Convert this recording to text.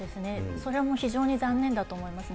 それは非常に残念だと思いますね。